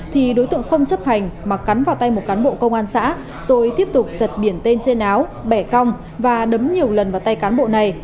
thì đối tượng không chấp hành mà cắn vào tay một cán bộ công an xã rồi tiếp tục giật biển tên trên áo bẻ cong và đấm nhiều lần vào tay cán bộ này